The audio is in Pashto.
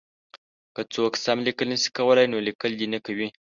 که څوک سم لیکل نه شي کولای نو لیکل دې نه کوي.